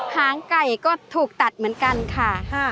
หางไก่ก็ถูกตัดเหมือนกันค่ะ